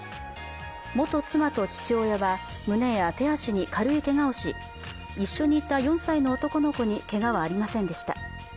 元妻と父親は胸や手足に軽いけがをし一緒に居た４歳の男の子にけがはありませんでした。